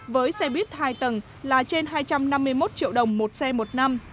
với xe buýt hai tầng là trên hai trăm năm mươi một triệu đồng một xe một năm